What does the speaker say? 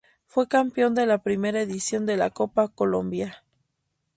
Fue campeón de la primera edición de la Copa Colombia.